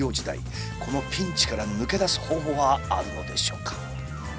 このピンチから抜け出す方法はあるのでしょうか？